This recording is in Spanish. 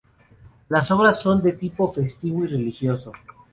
Las obras son de tipo festivo y religioso.